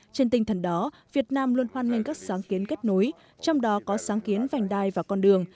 trên tinh thần đó việt nam luôn hoan nghênh các sáng kiến kết nối trong đó có sáng kiến vành đai và con đường